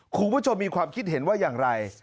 คุณผู้ชมมีความคิดเห็นว่าอย่างไร